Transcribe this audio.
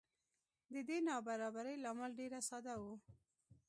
د دې نابرابرۍ لامل ډېره ساده و.